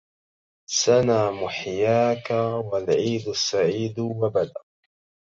سنا مُحياكِ والعيدُ السعيدُ وبد